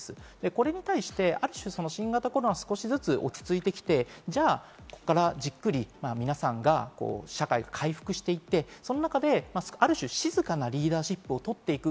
これに対して新型コロナが少しずつ落ち着いてきて、ここからじっくり皆さんが社会が回復して、その中である種、静かなリーダーシップを取っていく。